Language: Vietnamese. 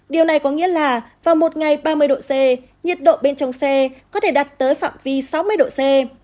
điều này có nghĩa là vào một ngày ba mươi độ c nhiệt độ bên trong xe có thể đặt tới phạm vi sáu mươi độ c